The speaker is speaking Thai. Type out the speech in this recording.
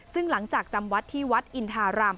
ซึ่งหลังจากจำวัดที่วัดอินทาราม